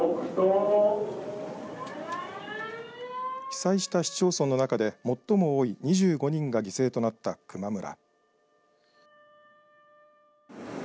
被災した市町村の中で最も多い２５人が犠牲となった球磨村。